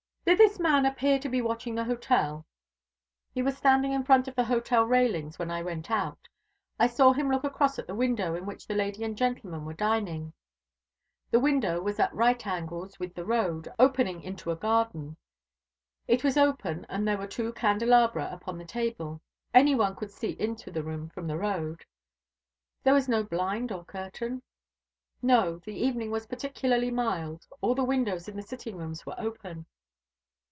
"Did this man appear to be watching the hotel?" "He was standing in front of the hotel railings when I went out. I saw him look across at the window in which the lady and gentleman were dining. The window was at right angles with the road, opening into a garden. It was open, and there were two candelabra upon the table. Any one could see into the room from the road." "There was no blind or curtain?" "No. The evening was particularly mild. All the windows in the sitting rooms were open."